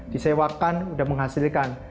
di sewa kan sudah menghasilkan